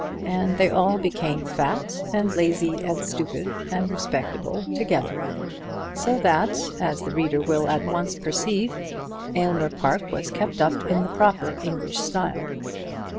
And they all became fat, and lazy, and stupid, and respectable together; so that, as the reader will at once perceive, Aylmer Park was kept up in the proper English style.